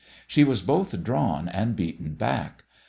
She was both drawn and beaten back.